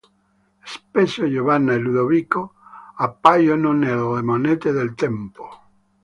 Spesso Giovanna e Ludovico appaiono nelle monete del tempo.